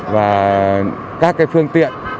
và các phương tiện